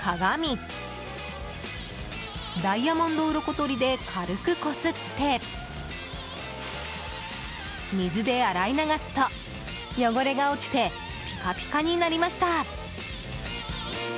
とりで軽くこすって水で洗い流すと、汚れが落ちてピカピカになりました。